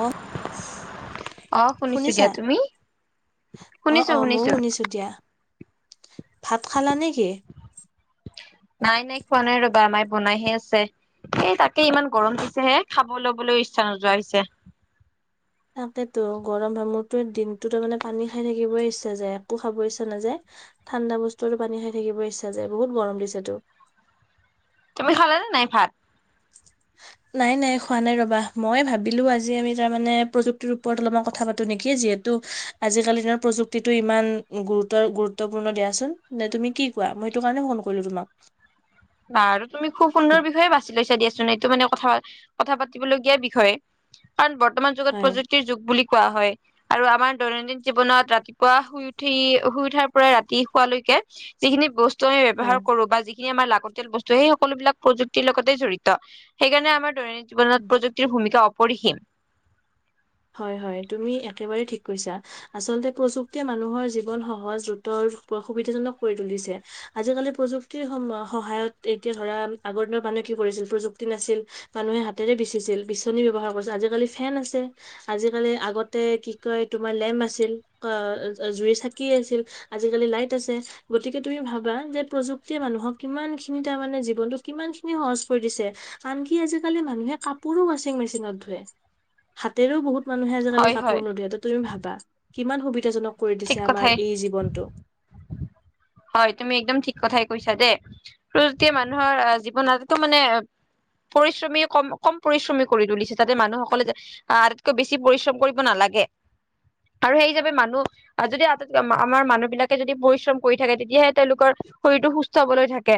অ, অ শুনিছো দিয়া শুনিছা? তুমি অ-অ, ময়ো শুনিছো দিয়া। ভাত খালা নেকি? নাই নাই খোৱা নাই ৰবা আমাৰ বনাইহে আছে সেই তাকে ইমান গৰম দিছেহে খাব লবলৈও ইচ্ছা নোযোৱা হৈছে তাকেতো গৰম ভামহত দিনটোো তাৰ মানে পানী খাই থাকিবই ইচ্ছা যায় একো খাব ইচ্ছা নাযায় ঠাণ্ডা বস্তুো পানী খাই থাকিব ইচ্ছা যায় বহুত গৰম দিছেতো। তুমি খালা নে নাই ভাত [unintelligible] নাই নাই খোৱা নাই ৰ'বা মই ভাবিলোঁ আজি আমি তাৰমানে প্ৰযুক্তিৰ ওপৰত অলপমান কথা পাতো নেকি যিহেতু আজিকালি দিনৰ প্ৰযুক্তিটো ইমান গুৰুতৰ গুৰুত্বপূৰ্ণ দিয়াচোন ন তুমি কি কোৱা ম সেইটো কাৰণে ফোন কৰিলো তোমাক আৰু তুমি খুব সুন্দৰ বিষয়ে বাছি লৈছা দিয়া এইটো মানে কথা কথা পাতিবলগীয়া বিষয়ে কাৰণ বৰ্তমান যুগত হয় প্ৰযুক্তিৰ যুগ বুলি কোৱা হয় আৰু আমাৰ দৈনন্দিন জীৱনত ৰাতিপুৱা শুই উঠি শুই উঠাৰ পৰা ৰাতি শোৱালৈকে যিখিনি বস্তু আমি ব্যয়হাৰ হয় কৰো বা যিখিন বস্তু সেই সকলো বিলাক প্ৰযুক্তিৰ লগতে জড়িত সেইকাৰণে আমাৰ দৈনন্দ জীন প্ৰযুক্তিৰ ভূমিকা পঢ়িসিম হয় হয় তুমি একেবাৰেই ঠিক কৈছা আচলতে প্ৰযুক্তিয় মানুহৰ জীৱন সহজ দ্ৰুতৰ বি কৰি ত আজালি প্ৰযুক্তিৰ সহায়ত এতিয়া ধ আগ মানুহে কি কৰিছিল প্ৰযুক্তি নাছিল মানুহে হাতেৰে বিচিছিল বিচনী বয়ৱহাৰ কৰিছিল আজিকালি ফেন আছে আজিকালি আগতে কি কয় তোমাৰ লেম্প আছিল জুই চাকি আছিল। আজিকালি লাইট আছে গতিকে তুমি ভাবা যে প্ৰযুক্তিয়ে মানুহক কিমান খিনি তাৰ মমানে জীৱনতটো কিমান সহজ পৰি দিছে আনকি আজিকালি মানুহে কাপোৰো ৱাশ্বিং মেচিনত ধোৱে হাতেৰেও বহুত মানুহে আজিকালি হয় হয় কাপোৰ নোধোৱে তুমি ভাবা কিমান সুবিধাাজনক কৰি ঠিক দিছে কথাই আমাৰ এই জীৱনটো হয় তুমি একদম ঠিক কথাই কৈছা দেই প্ৰযুতি মানুহৰ অহ জীৱনটো মানে পৰিশ্ৰমী কম কম পৰিশ্ৰমী কৰি তুলিছে যাতে মানুহসকলে আহ আটাইতকৈ বেছি পৰিশ্ৰম কৰিব নালাগে। আৰু সেই হিচাপে মানুহ আহ যদি আ আমাৰ মানুহ বিলাকে যদি পৰিশ্ৰম পৰি থাকে তেতিয়াহে তেওলোকৰ শৰীৰতটো সুস্থ হবলৈ থাকে।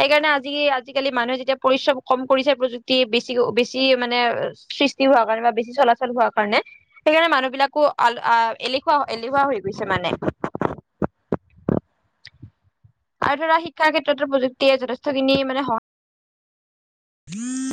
সেইকাৰণে আজি আজিকালি মানুহে যেতিয়া পৰিশ্ৰম কম কৰিছে প্ৰযুক্তি বেছি - বেছি মানে। সৃষ্টি হোৱা কাৰণে বা বেছি চলাচল হোৱা কাৰণে সেইকাৰণে মানুহবিলাকো এলেুৱা এলেহুৱা হৈ গৈছে স মানে অ আৰু ধৰা শিক্ষাৰ ক্ষেত্ৰতো প্ৰযুক্তিয়ে যথেষ্টখিনি মানে সহায় [unintelligible]